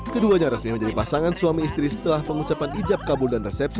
keduanya resmi menjadi pasangan suami istri setelah pengucapan ijab kabul dan resepsi